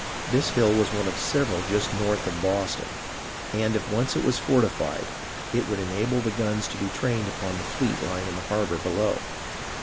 ^ This hill was one of several just north of Boston, and if once it was fortified it would enable the guns to be trained upon the fleet lying in the harbour below.